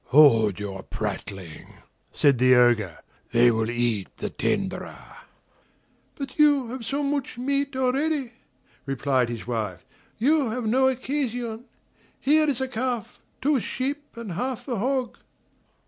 "Hold your prattling," said the Ogre, "they will eat the tenderer." "But you have so much meat already," replied his wife, "you have no occasion. Here is a calf, two sheep, and half a hog."